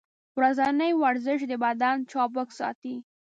ورځنی ورزش د بدن چابک ساتي.